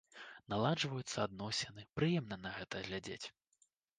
Наладжваюцца адносіны, прыемна на гэта глядзець.